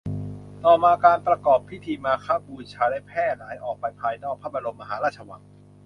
ต่อมาการประกอบพิธีมาฆบูชาได้แพร่หลายออกไปภายนอกพระบรมมหาราชวัง